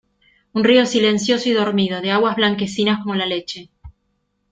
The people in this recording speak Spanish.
un río silencioso y dormido, de aguas blanquecinas como la leche